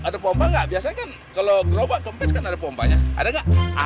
ada pompa nggak biasanya kan kalau gerobak kempes kan ada pompanya ada nggak